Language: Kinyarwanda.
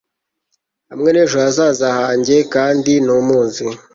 Hamwe nejo hazaza hanjyeKandi ntumuzi